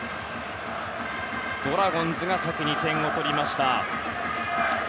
ドラゴンズが先に点を取りました。